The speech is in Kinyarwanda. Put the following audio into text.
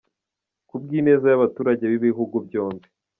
ku bw’ineza y’abaturage b’ibihugu byombi.